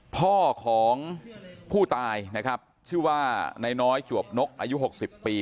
พ่อของผู้ตายนะครับชื่อว่านายน้อยจวบนกอายุ๖๐ปี